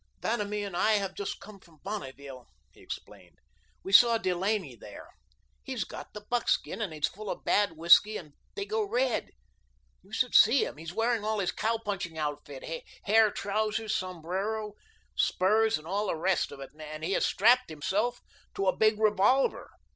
"Vanamee and I have just come from Bonneville," he explained. "We saw Delaney there. He's got the buckskin, and he's full of bad whiskey and dago red. You should see him; he's wearing all his cow punching outfit, hair trousers, sombrero, spurs and all the rest of it, and he has strapped himself to a big revolver.